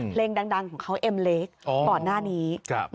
เพลงดังของเขาเอ็มเล็กก่อนหน้านี้